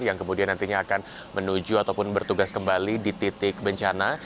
yang kemudian nantinya akan menuju ataupun bertugas kembali di titik bencana